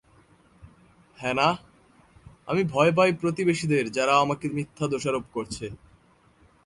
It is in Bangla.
হ্যানাহ, আমি ভয় পাই প্রতিবেশীদের যারা আমাকে মিথ্যা দোষারোপ করছে।